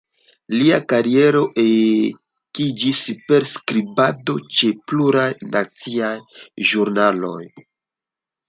Lia kariero ekiĝis per skribado ĉe pluraj naciaj ĵurnaloj.